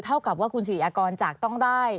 เท่ากับว่าคุณสิริยากรจะต้องได้